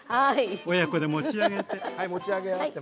親子で持ち上げて。